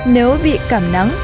nếu bị cảm nắng